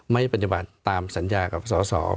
ไม่ปัญญาบาลตามสัญญากับสอสอ